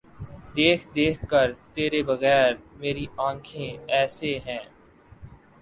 دیکھ دیکھ کہ تیرے بغیر میری آنکھیں ایسے ہیں۔